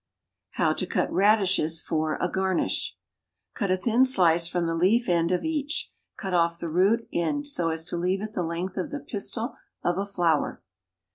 =How to Cut Radishes for a Garnish.= Cut a thin slice from the leaf end of each; cut off the root end so as to leave it the length of the pistil of a flower.